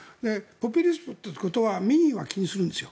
ポピュリストということは民意は気にするんです。